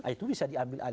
itu bisa diambil